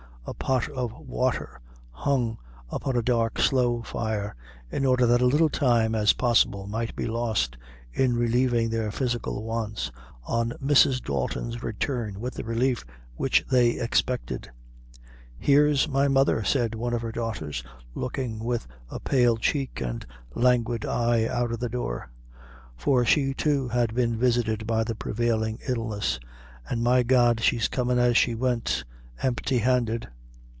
A pot of water hung upon a dark slow fire, in order that as little time as possible might be lost in relieving their physical wants, on Mrs. Dalton's return with the relief which they expected. "Here's my mother," said one of her daughters, looking with a pale cheek and languid eye out of the door; for she, too, had been visited by the prevailing illness; "an', my God! she's comin' as she went empty handed!"